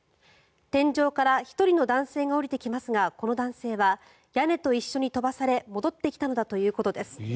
天井から１人の男性が降りてきますがこの男性は屋根と一緒に飛ばされ戻ってきたのだということです。